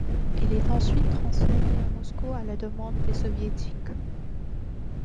Il est ensuite transféré à Moscou à la demande des Soviétiques.